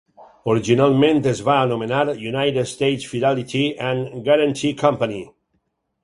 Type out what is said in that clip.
Originalment es va anomenar United States Fidelity and Guaranty Company.